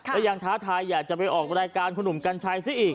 และยังท้าทายอยากจะไปออกรายการคุณหนุ่มกัญชัยซะอีก